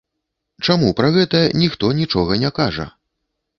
Чаму пра гэта ніхто нічога не кажа?